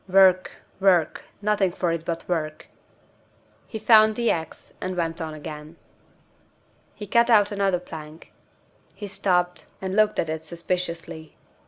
"Work, work! Nothing for it but work." He found the ax, and went on again. He cut out another plank. He stopped, and looked at it suspiciously.